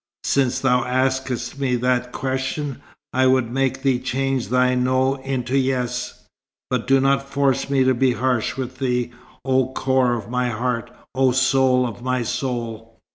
"Since thou askest me that question, I would make thee change thy 'no' into 'yes.' But do not force me to be harsh with thee, oh core of my heart, oh soul of my soul!